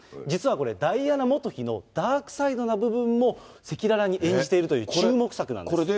実はこれダイアナ元妃のダークサイドの部分も赤裸々に演じているという注目の作品なんです。